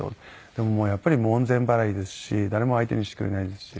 でもやっぱり門前払いですし誰も相手にしてくれないですし。